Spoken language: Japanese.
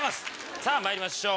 さぁまいりましょう！